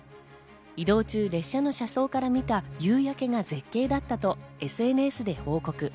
移動中、列車の車窓から見た夕焼けが絶景だったとＳＮＳで報告。